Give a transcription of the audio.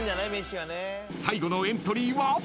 ［最後のエントリーは］